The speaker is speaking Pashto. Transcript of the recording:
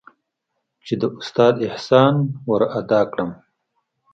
چې د استاد احسان ورادا کړم.